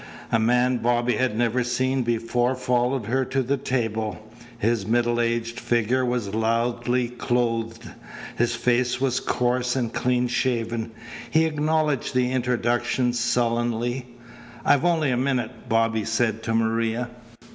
A man Bobby had never seen before followed her to the table. His middle aged figure was loudly clothed. His face was coarse and clean shaven. He acknowledged the introductions sullenly. "I've only a minute," Bobby said to Maria.